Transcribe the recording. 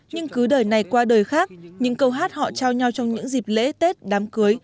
nhưng cứ đời này qua đời khác những câu hát họ trao nhau trong những dịp lễ tết đám cưới